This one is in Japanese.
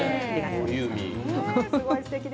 ボリューミー。